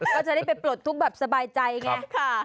ก็จะได้ไปปลดทุกข์แบบสบายใจไง